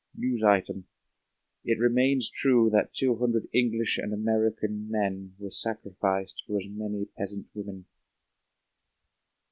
(News Item: It remains true that two hundred English and American men were sacrificed for as many peasant women.")